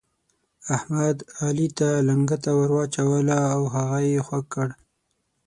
احمد، علي ته لنګته ور واچوله او هغه يې خوږ کړ.